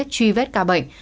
truy vết ca bệnh